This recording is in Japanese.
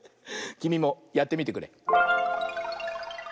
きみもやってみてくれ。